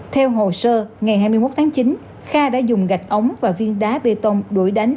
theo hồ sơ ngày hai mươi một tháng chín kha đã dùng gạch ống và viên đá bê tông đuổi đánh